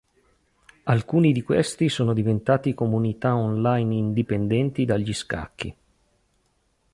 Alcuni di questi sono diventati comunità on-line indipendenti dagli scacchi.